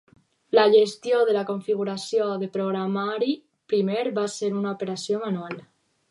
La gestió de la configuració de programari primer va ser una operació manual.